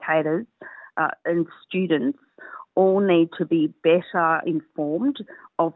kita harus mengakui bahwa ibu bapa pelajar dan pelajar